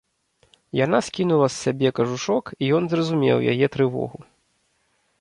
Яна скінула з сябе кажушок, і ён зразумеў яе трывогу.